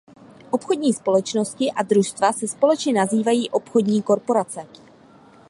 Obchodní společnosti a družstva se společně nazývají obchodní korporace.